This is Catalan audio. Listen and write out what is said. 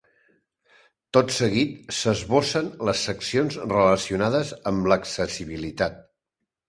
Tot seguit s'esbossen les seccions relacionades amb l'accessibilitat.